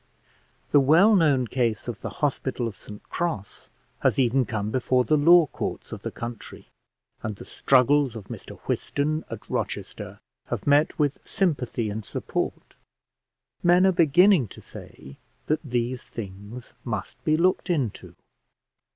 The well known case of the Hospital of St Cross has even come before the law courts of the country, and the struggles of Mr Whiston, at Rochester, have met with sympathy and support. Men are beginning to say that these things must be looked into.